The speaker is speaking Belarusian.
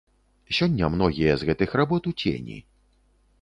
Сёння многія з гэтых работ у цені.